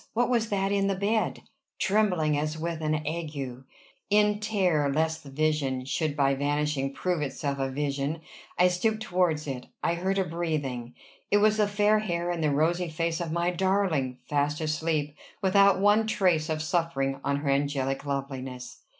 What was that in the bed? Trembling as with an ague, in terror lest the vision should by vanishing prove itself a vision, I stooped towards it. I heard a breathing! It was the fair hair and the rosy face of my darling fast asleep without one trace of suffering on her angelic loveliness!